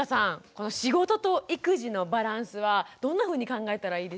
この仕事と育児のバランスはどんなふうに考えたらいいでしょうか？